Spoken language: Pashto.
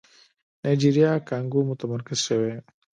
نایجيريا کانګو متمرکز شوی.